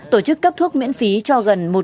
tổ chức cấp thuốc miễn phí cho gần